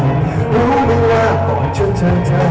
รู้ไม่ว่าขอบคุณคุณ